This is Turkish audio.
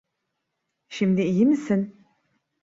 Şimdi iyi misin?